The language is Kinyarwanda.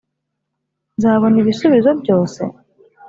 "nzabona ibisubizo byose?